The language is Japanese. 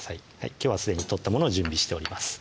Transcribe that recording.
きょうはすでに取ったものを準備しております